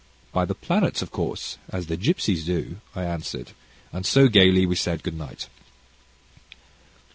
"By the planets, of course, as the gipsies do," I answered, and so, gaily we said good night.